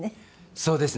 そうですね。